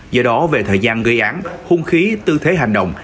do đó về thời gian gây án hung khí tư thế hành động